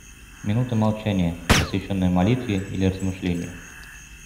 Минута молчания, посвященная молитве или размышлению.